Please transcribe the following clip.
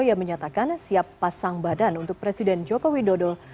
yang menyatakan siap pasang badan untuk presiden jokowi dodol